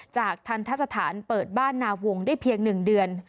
ทันทสถานเปิดบ้านนาวงได้เพียง๑เดือน